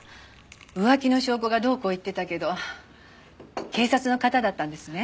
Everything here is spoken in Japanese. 浮気の証拠がどうこう言ってたけど警察の方だったんですね。